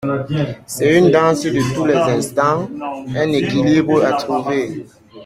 C’est une danse de tous les instants, un équilibre à trouver.